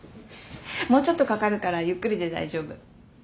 もうちょっとかかるからゆっくりで大丈夫。